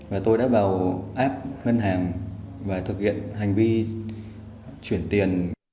và tôi đã vào app ngân hàng và thực hiện hành vi chuyển tiền